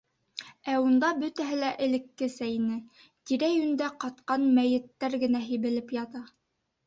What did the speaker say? Ә унда бөтәһе лә элеккесә ине: тирә-йүндә ҡатҡан мәйеттәр генә һибелеп ята.